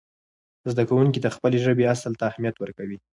زده کوونکي د خپلې ژبې اصل ته اهمیت ورکوي.